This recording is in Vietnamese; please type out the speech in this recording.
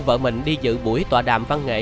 vợ mình đi dự buổi tòa đàm văn nghệ